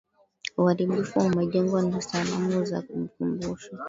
uharibifu wa majengo na sanamu za ukumbusho